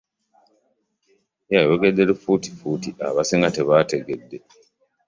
Yayogedde lufuutifuuti abasinga tebaategedde.